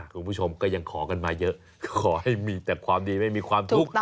คุณผู้ชมก็ยังขอกันมาเยอะขอให้มีแต่ความดีไม่มีความทุกข์